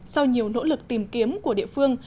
sau nhiều nỗ lực tìm kiếm của địa phương